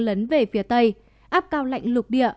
lấn về phía tây áp cao lạnh lục địa